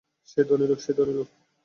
সে ধনী লোক!